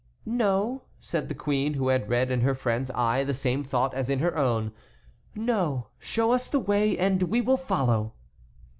"No," said the queen, who had read in her friend's eye the same thought as in her own; "no, show us the way and we will follow."